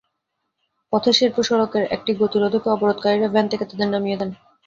পথে শেরপুর সড়কের একটি গতিরোধকে অবরোধকারীরা ভ্যান থেকে তাদের নামিয়ে দেন।